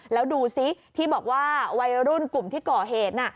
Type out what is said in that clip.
แล้วดูซิที่บอกว่าวัยรุ่นกลุ่มที่ก่อเหตุ